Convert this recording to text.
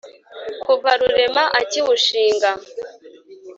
Kuva Rurema akiwunshinga.